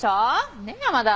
ねえ山田。